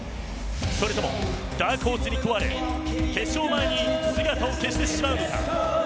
それともダークホースに食われ決勝前に姿を消してしまうのか。